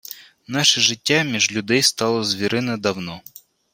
Наше життя між людей стало звірине давно.